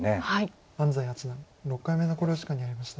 安斎八段６回目の考慮時間に入りました。